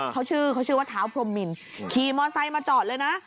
เขาชื่อว่าท้าวพรมมิลขี่มอเซ็นต์มาจอดเลยนะ